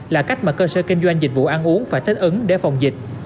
là cách mà cơ sở kinh doanh dịch vụ ăn uống phải thích ứng để phòng dịch